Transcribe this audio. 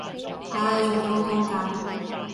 唉仲肚痛緊